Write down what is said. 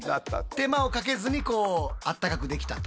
手間をかけずにこうあったかくできたと。